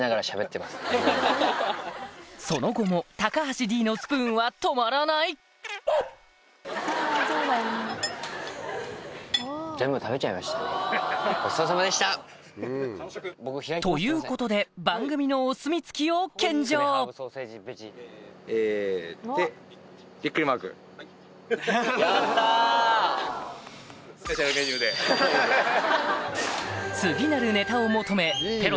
その後も高橋Ｄのスプーンは止まらないということで番組のお墨付きを献上次なるネタを求めペロ